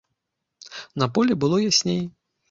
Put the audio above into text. На полі было ясней.